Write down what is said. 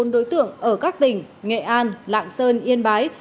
bốn đối tượng ở các tỉnh nghệ an lạng sơn yên bái